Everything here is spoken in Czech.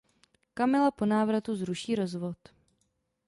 Kamila po návratu zruší rozvod.